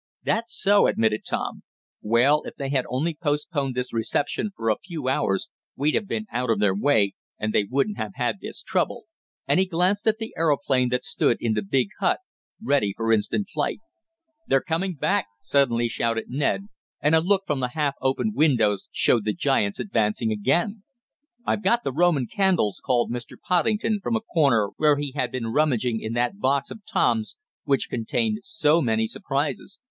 "That's so," admitted Tom. "Well, if they had only postponed this reception for a few hours we'd have been out of their way, and they wouldn't have had this trouble," and he glanced at the aeroplane, that stood in the big hut, ready for instant flight. "They're coming back!" suddenly shouted Ned, and a look from the half opened windows showed the giants again advancing. "I've got the Roman candles!" called Mr. Poddington from a corner where he had been rummaging in that box of Tom's which contained so many surprises.